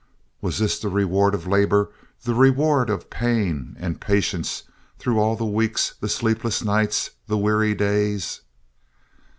Was this the reward of labor, the reward of pain and patience through all the weeks, the sleepless nights, the weary days?